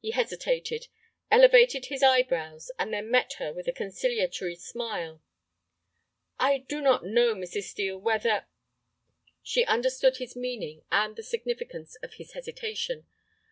He hesitated, elevated his eyebrows, and then met her with a conciliatory smile. "I do not know, Mrs. Steel, whether—" She understood his meaning and the significance of his hesitation.